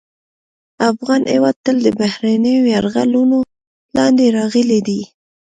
افغان هېواد تل د بهرنیو یرغلونو لاندې راغلی دی